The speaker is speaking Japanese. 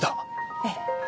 ええ。